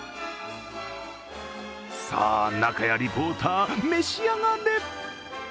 さあ、仲谷リポーター召し上がれ。